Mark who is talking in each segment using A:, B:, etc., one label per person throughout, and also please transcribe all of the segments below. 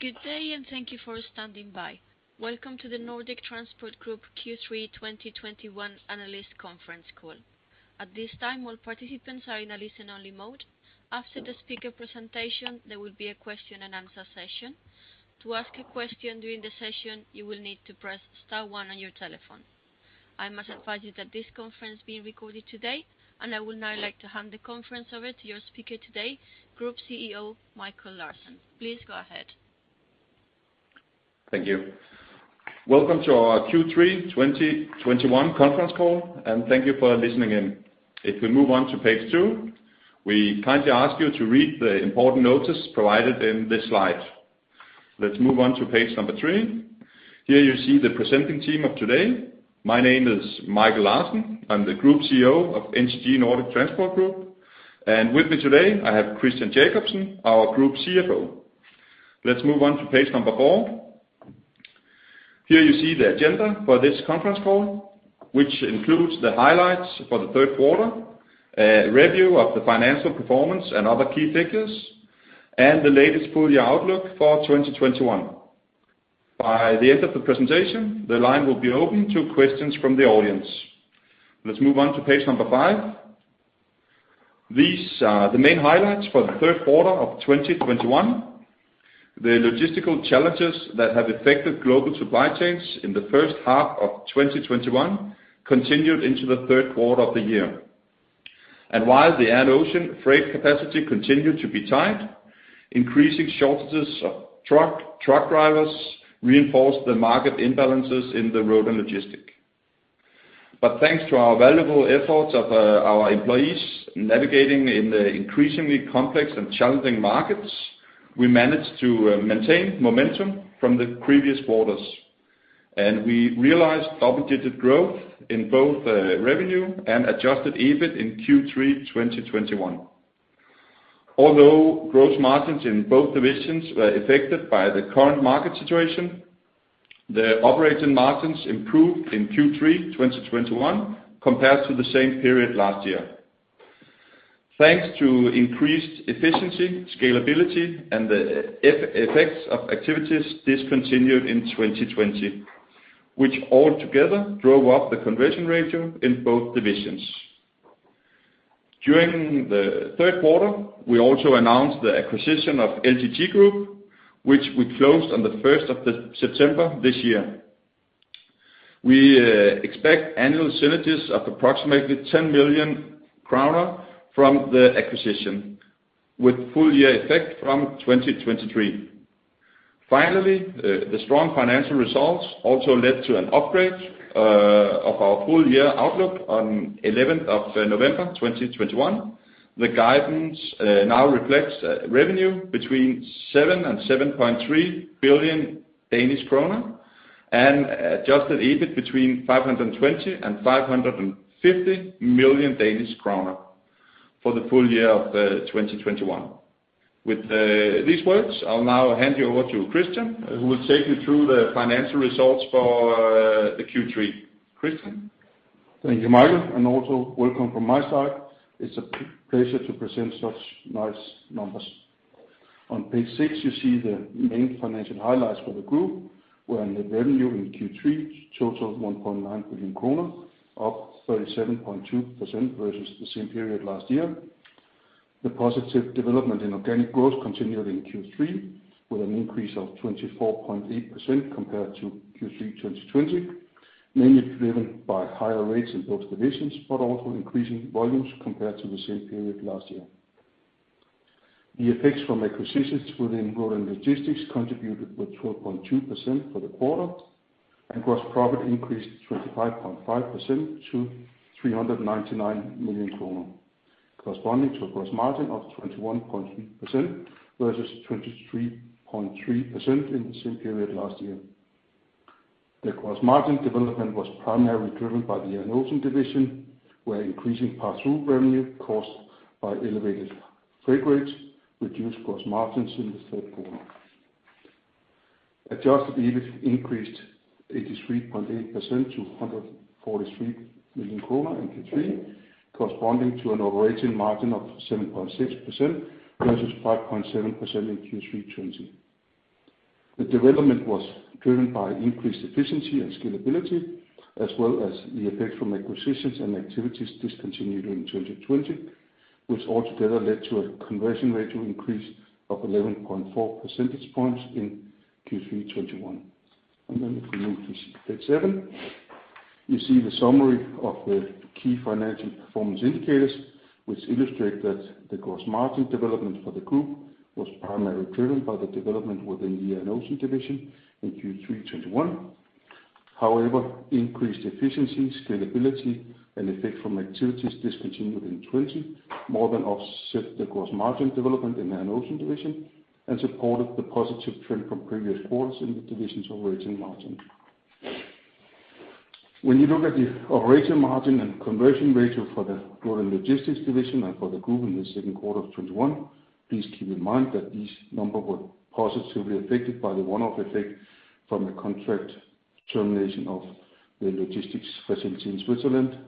A: Good day, and thank you for standing by. Welcome to the Nordic Transport Group Q3 2021 analyst conference call. At this time, all participants are in a listen-only mode. After the speaker presentation, there will be a question and answer session. To ask a question during the session, you will need to press star one on your telephone. I must advise you that this conference is being recorded today, and I would now like to hand the conference over to your speaker today, Group CEO Michael Larsen. Please go ahead.
B: Thank you. Welcome to our Q3 2021 conference call, and thank you for listening in. If we move on to page two, we kindly ask you to read the important notice provided in this slide. Let's move on to page number three. Here you see the presenting team of today. My name is Michael Larsen. I'm the Group CEO of NTG, Nordic Transport Group. With me today, I have Christian Jakobsen, our Group CFO. Let's move on to page number four. Here you see the agenda for this conference call, which includes the highlights for the third quarter, review of the financial performance and other key figures, and the latest full year outlook for 2021. By the end of the presentation, the line will be open to questions from the audience. Let's move on to page number five. These are the main highlights for the third quarter of 2021. The logistical challenges that have affected global supply chains in the first half of 2021 continued into the third quarter of the year. While the ocean freight capacity continued to be tight, increasing shortages of truck drivers reinforced the market imbalances in the road and logistics. Thanks to the valuable efforts of our employees navigating in the increasingly complex and challenging markets, we managed to maintain momentum from the previous quarters. We realized double-digit growth in both revenue and adjusted EBIT in Q3 2021. Although gross margins in both divisions were affected by the current market situation, the operating margins improved in Q3 2021 compared to the same period last year. Thanks to increased efficiency, scalability, and the effects of activities discontinued in 2020, which all together drove up the conversion ratio in both divisions. During the third quarter, we also announced the acquisition of LGT Group, which we closed on 1st September this year. We expect annual synergies of approximately 10 million kroner from the acquisition, with full year effect from 2023. Finally, the strong financial results also led to an upgrade of our full year outlook on 11th November 2021. The guidance now reflects revenue between 7 billion and 7.3 billion Danish kroner and adjusted EBIT between 520 million and 550 million Danish kroner for the full year of 2021. With these words, I'll now hand you over to Christian, who will take you through the financial results for the Q3. Christian?
C: Thank you, Michael, and also welcome from my side. It's a pleasure to present such nice numbers. On page six, you see the main financial highlights for the group, where net revenue in Q3 totaled 1.9 billion kroner, up 37.2% versus the same period last year. The positive development in organic growth continued in Q3 with an increase of 24.8% compared to Q3 2020, mainly driven by higher rates in both divisions, but also increasing volumes compared to the same period last year. The effects from acquisitions within Road & Logistics contributed with 12.2% for the quarter, and gross profit increased 25.5% to 399 million kroner, corresponding to a gross margin of 21.3% versus 23.3% in the same period last year. The gross margin development was primarily driven by the Air & Ocean division, where increasing passthrough revenue caused by elevated freight rates reduced gross margins in the third quarter. Adjusted EBIT increased 83.8% to 143 million kroner in Q3 2021, corresponding to an operating margin of 7.6% versus 5.7% in Q3 2020. The development was driven by increased efficiency and scalability as well as the effect from acquisitions and activities discontinued in 2020, which altogether led to a conversion ratio increase of 11.4 percentage points in Q3 2021. If we move to page seven, you see the summary of the key financial performance indicators, which illustrate that the gross margin development for the group was primarily driven by the development within the Air & Ocean division in Q3 2021. However, increased efficiency, scalability, and effect from activities discontinued in 2020 more than offset the gross margin development in Air & Ocean division and supported the positive trend from previous quarters in the division's operating margin. When you look at the operating margin and conversion ratio for the Road & Logistics division and for the group in the second quarter of 2021, please keep in mind that these numbers were positively affected by the one-off effect from the contract termination of the logistics facility in Switzerland.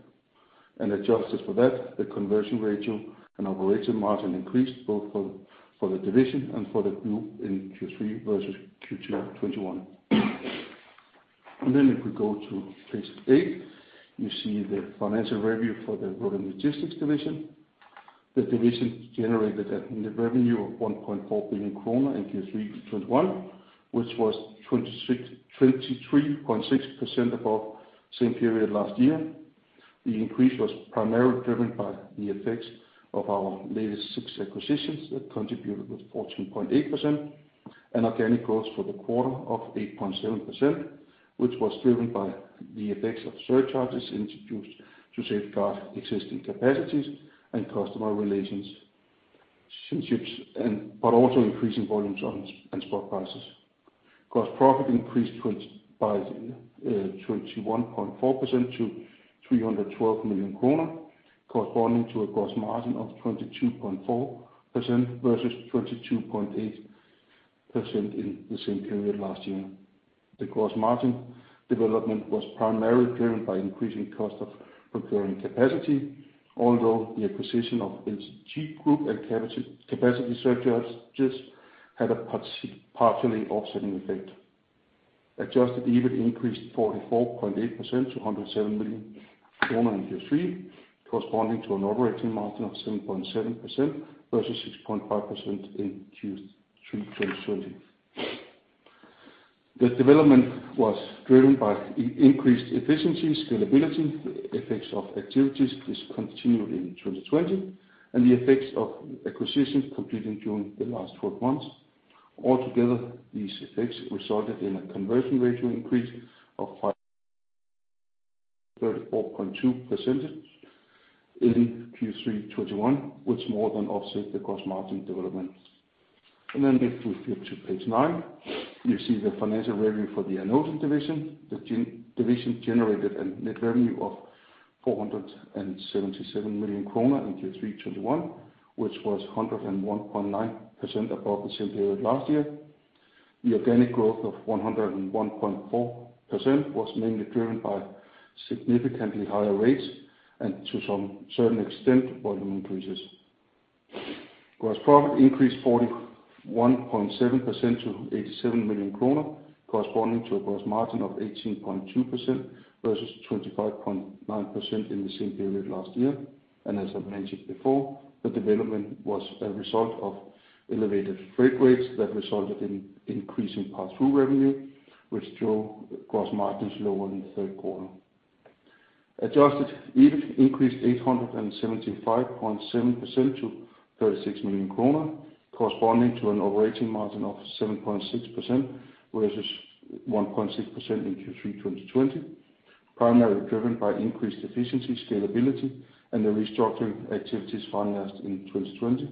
C: Adjusted for that, the conversion ratio and operating margin increased both for the division and for the group in Q3 2021 versus Q2 2021. If we go to page eight, you see the financial review for the Road & Logistics division. The division generated a net revenue of 1.4 billion kroner in Q3 2021, which was 26, 23.6% above same period last year. The increase was primarily driven by the effects of our latest six acquisitions that contributed with 14.8% and organic growth for the quarter of 8.7%, which was driven by the effects of surcharges introduced to safeguard existing capacities and customer relationships but also increasing volumes and spot prices. Gross profit increased by 21.4% to 312 million kroner corresponding to a gross margin of 22.4% versus 22.8% in the same period last year. The gross margin development was primarily driven by increasing cost of procuring capacity, although the acquisition of LGT Group and capacity surcharges had a partially offsetting effect. Adjusted EBIT increased 44.8% to 107 million in Q3 2021, corresponding to an operating margin of 7.7% versus 6.5% in Q3 2020. The development was driven by increased efficiency, scalability, effects of activities discontinued in 2020, and the effects of acquisitions completed during the last 12 months. Altogether, these effects resulted in a conversion ratio increase of 5.342% in Q3 2021, which more than offset the gross margin development. If we flip to page nine, you see the financial review for the Air & Ocean division. The Air & Ocean division generated a net revenue of 477 million kroner in Q3 2021, which was 101.9% above the same period last year. The organic growth of 101.4% was mainly driven by significantly higher rates and to some extent, volume increases. Gross profit increased 41.7% to 87 million kroner, corresponding to a gross margin of 18.2% versus 25.9% in the same period last year. As I mentioned before, the development was a result of elevated freight rates that resulted in an increase in pass-through revenue, which drove gross margins lower in the third quarter. Adjusted EBIT increased 875.7% to 36 million kroner, corresponding to an operating margin of 7.6% versus 1.6% in Q3 2020, primarily driven by increased efficiency, scalability, and the restructuring activities financed in 2020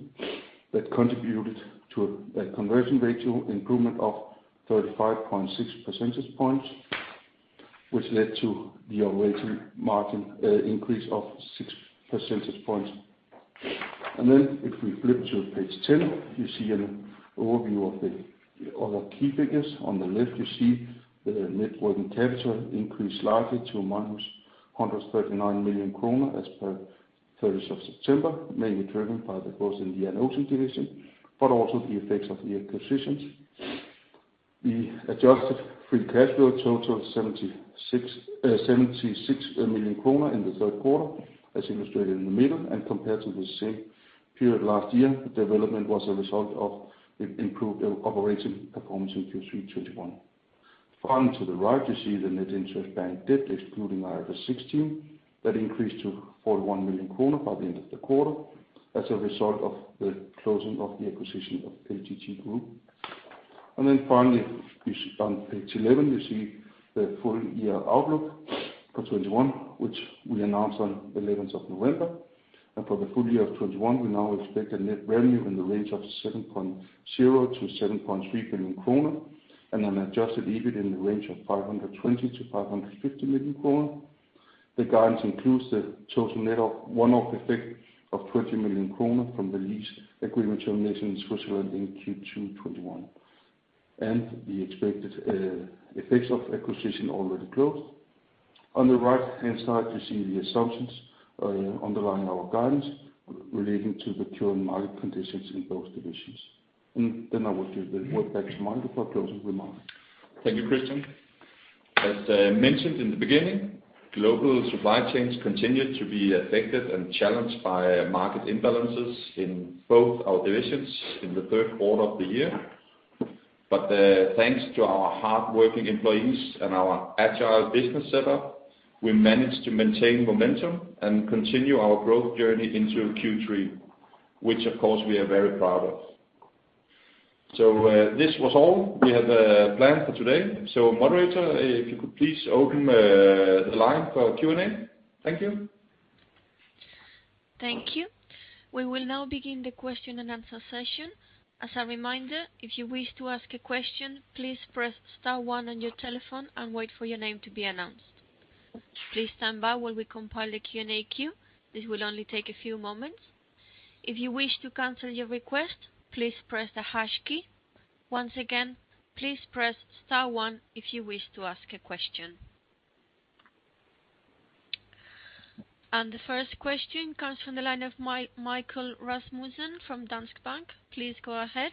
C: that contributed to a conversion ratio improvement of 35.6 percentage points, which led to the operating margin increase of 6 percentage points. If we flip to page 10, you see an overview of the other key figures. On the left, you see the net working capital increased slightly to -139 million kroner as per 30th of September, mainly driven by the growth in the Air & Ocean division, but also the effects of the acquisitions. The adjusted free cash flow totaled 76 million kroner in the third quarter, as illustrated in the middle. Compared to the same period last year, the development was a result of improved operating performance in Q3 2021. Finally, to the right, you see the net interest-bearing debt excluding IFRS 16. That increased to 41 million kroner by the end of the quarter as a result of the closing of the acquisition of LGT Group. Finally, we on page 11 you see the full-year outlook for 2021, which we announced on 11th of November. For the full year of 2021, we now expect a net revenue in the range of 7.0 billion-7.3 billion kroner and an adjusted EBIT in the range of 520 million-550 million kroner. The guidance includes the total net of one-off effect of 20 million kroner from the lease agreement termination in Switzerland in Q2 2021 and the expected effects of acquisition already closed. On the right-hand side, you see the assumptions underlying our guidance relating to the current market conditions in both divisions. I will give the word back to Michael for closing remarks.
B: Thank you, Christian. As mentioned in the beginning, global supply chains continued to be affected and challenged by market imbalances in both our divisions in the third quarter of the year. Thanks to our hardworking employees and our agile business setup, we managed to maintain momentum and continue our growth journey into Q3, which of course we are very proud of. This was all we had planned for today. Moderator, if you could please open the line for Q&A. Thank you.
A: Thank you. We will now begin the question and answer session. As a reminder, if you wish to ask a question, please press star one on your telephone and wait for your name to be announced. Please stand by while we compile the Q&A queue. This will only take a few moments. The first question comes from the line of Michael Rasmussen from Danske Bank. Please go ahead.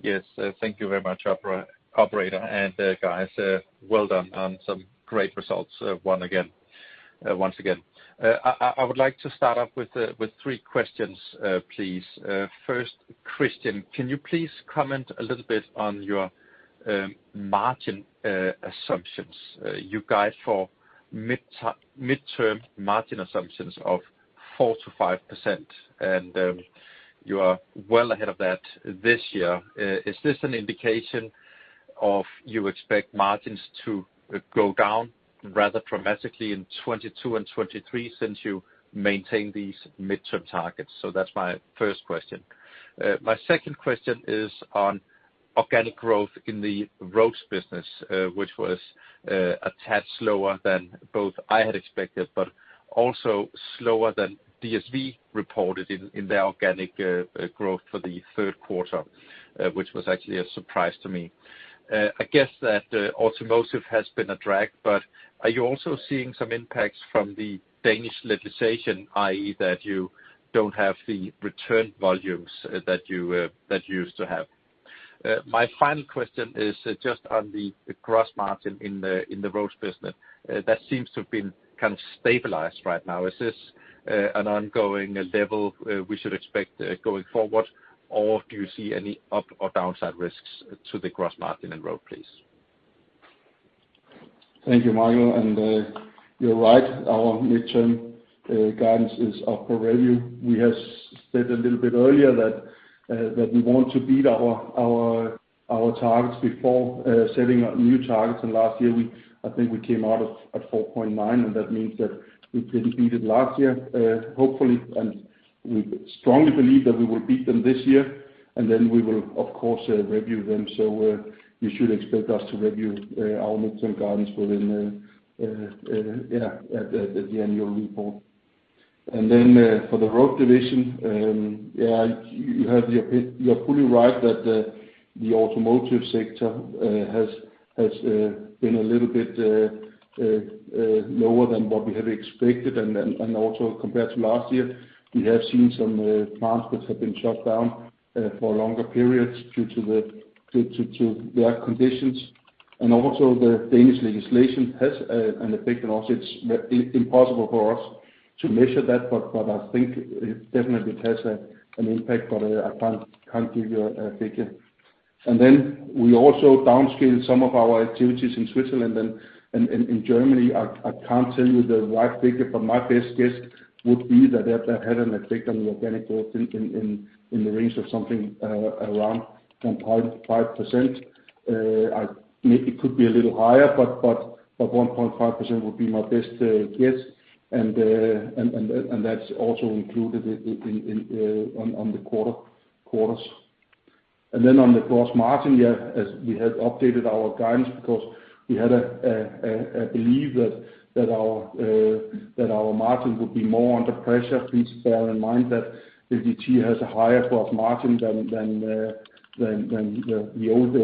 D: Yes. Thank you very much, operator, and, guys. Well done on some great results, once again. I would like to start off with three questions, please. First, Christian, can you please comment a little bit on your margin assumptions? You guide for mid-term margin assumptions of 4%-5%, and you are well ahead of that this year. Is this an indication of you expect margins to go down rather dramatically in 2022 and 2023 since you maintain these mid-term targets? That's my first question. My second question is on organic growth in the roads business, which was a tad slower than both I had expected, but also slower than DSV reported in their organic growth for the third quarter, which was actually a surprise to me. I guess that automotive has been a drag, but are you also seeing some impacts from the Danish legislation, i.e., that you don't have the return volumes that you used to have? My final question is just on the gross margin in the roads business. That seems to have been kind of stabilized right now. Is this an ongoing level we should expect going forward, or do you see any up or downside risks to the gross margin in road, please?
C: Thank you, Michael, and you're right. Our mid-term guidance is up for review. We have said a little bit earlier that we want to beat our targets before setting new targets. Last year, I think we came out at 4.9%, and that means that we didn't beat it last year. Hopefully we strongly believe that we will beat them this year, and then we will, of course, review them. You should expect us to review our mid-term guidance within at the annual report. For the road division, yeah, you have the— You're fully right that the automotive sector has been a little bit lower than what we had expected, and also compared to last year, we have seen some plants which have been shut down for longer periods due to their conditions. Also the Danish legislation has an effect also. It's impossible for us to measure that, but I think it definitely has an impact, but I can't give you a figure. Then we also downscaled some of our activities in Switzerland and in Germany. I can't tell you the right figure, but my best guess would be that that had an effect on the organic growth in the range of something around 1.5%. It could be a little higher, but 1.5% would be my best guess. That's also included in on the quarters. Then on the gross margin, yeah, as we had updated our guidance because we had a belief that our margin would be more under pressure. Please bear in mind that LGT has a higher gross margin than the old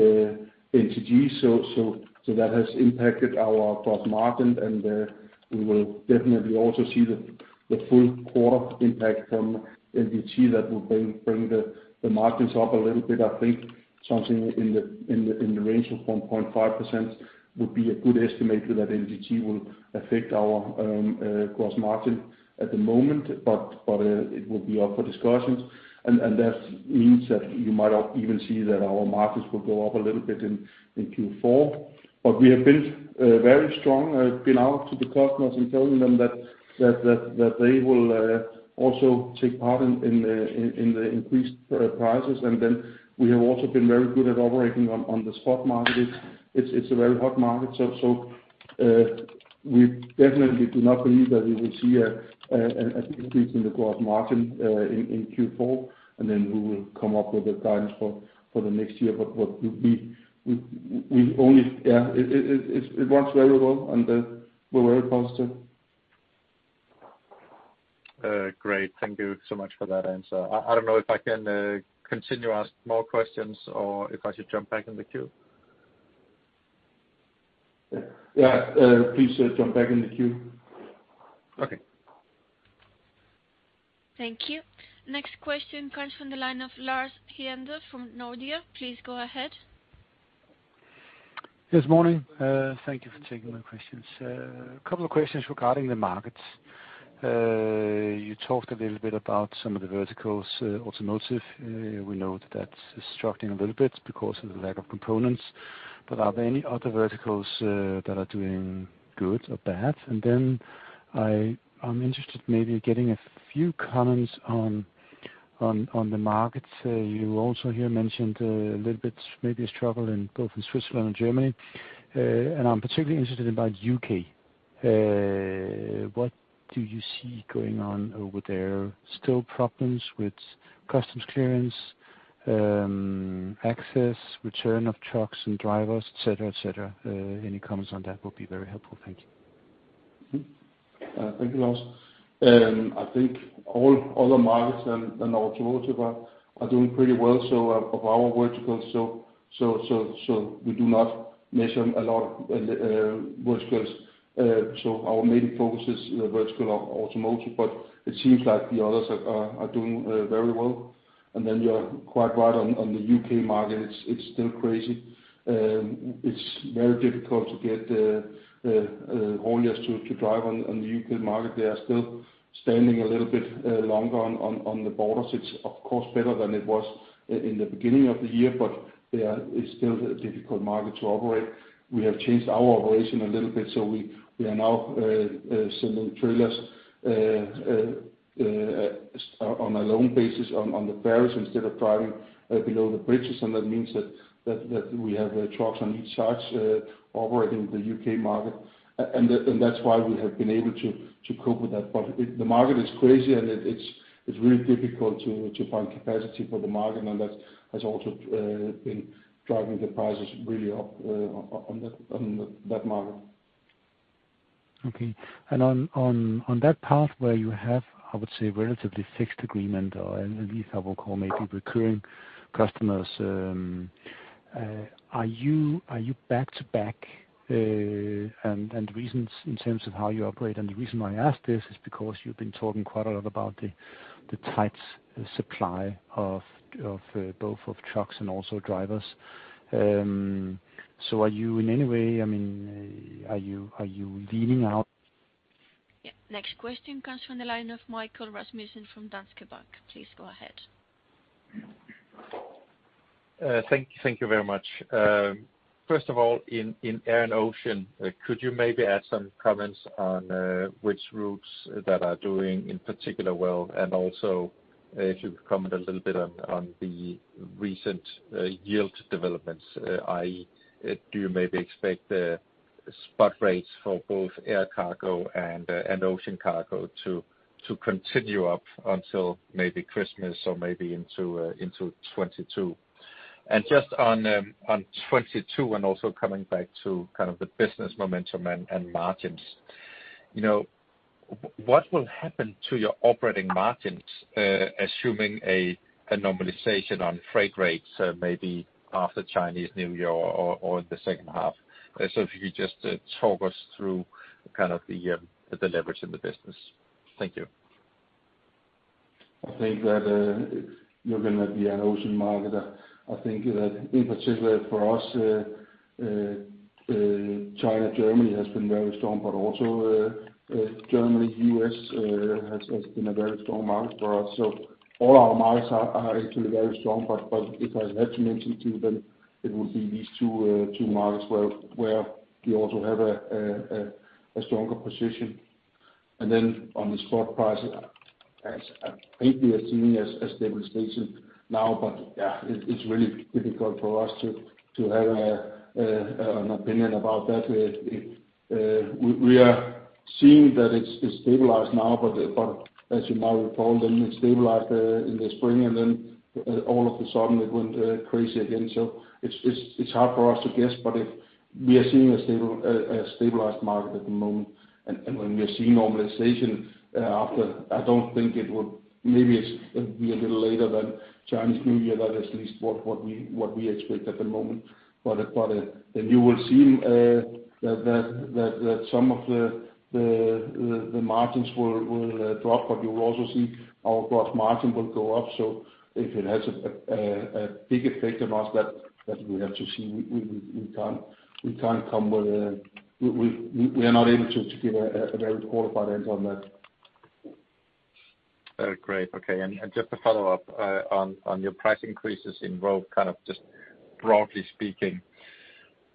C: NTG. That has impacted our gross margin, and we will definitely also see the full quarter impact from LGT that will bring the margins up a little bit. I think something in the range of 1.5% would be a good estimate that LGT will affect our gross margin at the moment. It will be up for discussions, and that means that you might even see that our margins will go up a little bit in Q4. We have been very strong, been out to the customers and telling them that they will also take part in the increased prices. Then we have also been very good at operating on the spot market. It's a very hot market. We definitely do not believe that we will see a decrease in the gross margin in Q4, and then we will come up with the guidance for the next year. We only, it works very well, and we're very positive.
D: Great. Thank you so much for that answer. I don't know if I can continue to ask more questions or if I should jump back in the queue?
C: Yeah, please jump back in the queue.
D: Okay.
A: Thank you. Next question comes from the line of Lars Heindorff from Nordea. Please go ahead.
E: Yes, morning. Thank you for taking my questions. A couple of questions regarding the markets. You talked a little bit about some of the verticals, automotive. We know that that's struggling a little bit because of the lack of components, but are there any other verticals that are doing good or bad? I'm interested maybe getting a few comments on the markets. You also here mentioned a little bit maybe a struggle in both in Switzerland and Germany. I'm particularly interested about U.K. What do you see going on over there? Still problems with customs clearance, access, return of trucks and drivers, et cetera. Any comments on that would be very helpful. Thank you.
C: Thank you, Lars. I think all the markets and our automotive are doing pretty well, so of our verticals, so we do not measure a lot in verticals. Our main focus is the vertical of automotive, but it seems like the others are doing very well. You are quite right on the U.K. market. It's still crazy. It's very difficult to get hauliers to drive on the U.K. market. They are still standing a little bit longer on the borders. It's of course better than it was in the beginning of the year, but it's still a difficult market to operate. We have changed our operation a little bit, so we are now sending trailers on a loan basis on the ferries instead of driving below the bridges, and that means that we have trucks on each side operating in the U.K. market. That's why we have been able to cope with that. The market is crazy, and it's really difficult to find capacity for the market, and that has also been driving the prices really up on that market.
E: Okay. On that path where you have, I would say, relatively fixed agreement, or at least I will call maybe recurring customers, are you back to back and reasons in terms of how you operate? The reason why I ask this is because you've been talking quite a lot about the tight supply of both trucks and also drivers. Are you in any way, I mean, are you leaning out-
A: Yeah. Next question comes from the line of Michael Rasmussen from Danske Bank. Please go ahead.
D: Thank you very much. First of all, in Air & Ocean, could you maybe add some comments on which routes that are doing particularly well? Also, if you could comment a little bit on the recent yield developments? I.e., do you maybe expect the spot rates for both air cargo and ocean cargo to continue up until maybe Christmas or maybe into 2022? Just on 2022 and also coming back to kind of the business momentum and margins, you know, what will happen to your operating margins assuming a normalization on freight rates maybe after Chinese New Year or the second half? If you could just talk us through kind of the leverage in the business. Thank you.
C: I think that looking at the Air & Ocean market, I think that in particular for us, China-Germany has been very strong, but also Germany-U.S. has been a very strong market for us. All our markets are actually very strong, but if I had to mention two, then it would be these two markets where we also have a stronger position. Then on the spot price, we are seeing a stabilization now, but it's really difficult for us to have an opinion about that. We are seeing that it's stabilized now, but as you might recall, then it stabilized in the spring, and then all of a sudden it went crazy again. It's hard for us to guess, but if we are seeing a stabilized market at the moment. When we are seeing normalization, maybe it'd be a little later than Chinese New Year. That is at least what we expect at the moment. Then you will see that some of the margins will drop, but you will also see our gross margin will go up. If it has a big effect on us, that we have to see. We can't come with a very qualified answer on that. We are not able to give a very qualified answer on that.
D: Great. Okay. Just to follow up on your price increases in road, kind of just broadly speaking,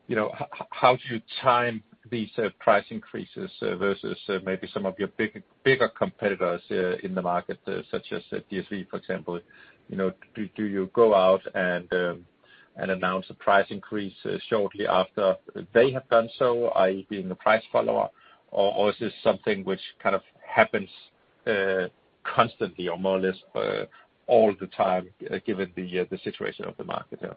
D: you know, how do you time these price increases versus maybe some of your big, bigger competitors in the market, such as at DSV, for example? You know, do you go out and announce a price increase shortly after they have done so, i.e., being a price follower? Or is this something which kind of happens constantly or more or less all the time, given the situation of the market here?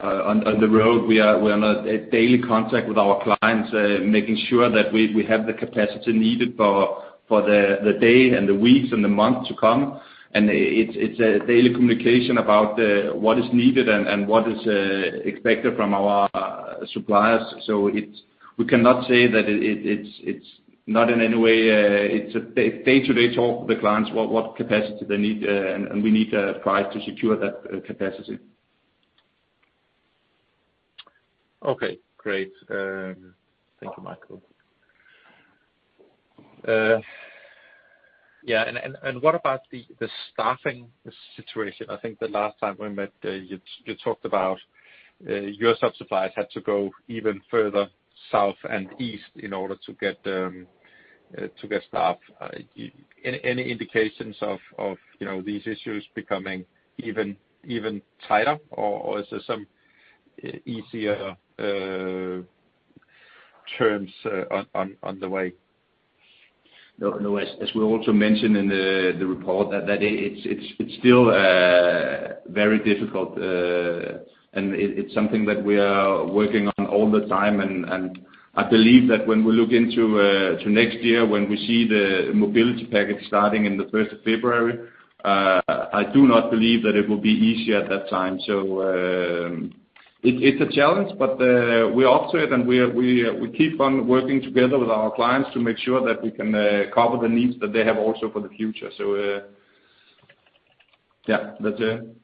B: On the road, we are in a daily contact with our clients, making sure that we have the capacity needed for the day and the weeks and the month to come. It's a daily communication about what is needed and what is expected from our suppliers. We cannot say that it's not in any way a day-to-day talk with the clients what capacity they need, and we need to price to secure that capacity.
D: Okay. Great. Thank you, Michael. What about the staffing situation? I think the last time we met, you talked about your sub-suppliers had to go even further south and east in order to get staff. Any indications of you know these issues becoming even tighter? Or is there some easier terms on the way.
B: No, no, as we also mentioned in the report that it's still very difficult. It's something that we are working on all the time. I believe that when we look into next year, when we see the Mobility Package starting in the first of February, I do not believe that it will be easy at that time. It's a challenge, but we're up to it, and we keep on working together with our clients to make sure that we can cover the needs that they have also for the future. Yeah, that's it.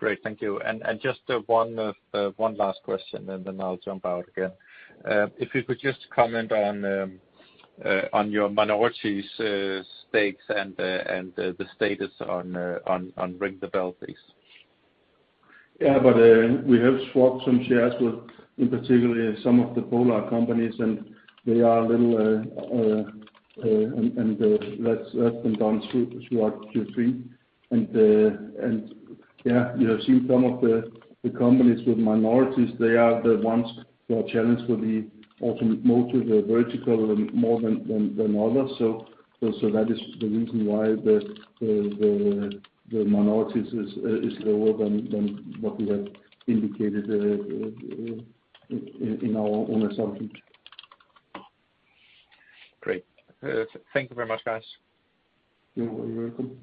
D: Great. Thank you. Just one last question, and then I'll jump out again. If you could just comment on your minority stakes and the status on Ring-the-Bell, please.
C: We have swapped some shares with, in particular, some of the Polar companies, and they are a little less than done throughout Q3. You have seen some of the companies with minorities. They are the ones who are challenged with the automotive vertical more than others. That is the reason why the minorities is lower than what we had indicated in our own assumptions.
D: Great. Thank you very much, guys.
C: You're welcome.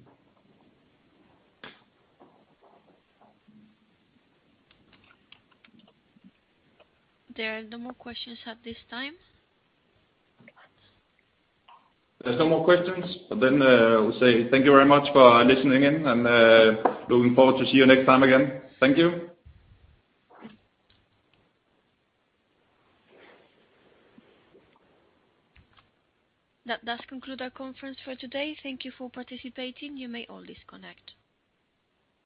A: There are no more questions at this time.
B: There's no more questions. We say thank you very much for listening in and looking forward to see you next time again. Thank you.
A: That does conclude our conference for today. Thank you for participating. You may all disconnect.